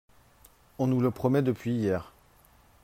On nous le promet depuis hier